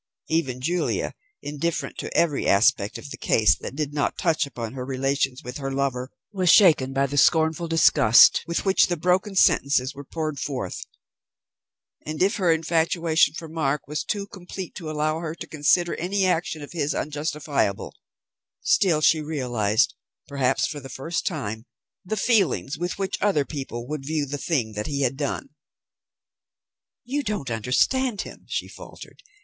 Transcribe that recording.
Even Julia, indifferent to every aspect of the case that did not touch upon her relations with her lover, was shaken by the scornful disgust with which the broken sentences were poured forth; and, if her infatuation for Mark was too complete to allow her to consider any action of his unjustifiable, still she realized, perhaps for the first time, the feelings with which other people would view the thing that he had done. "You don't understand him," she faltered.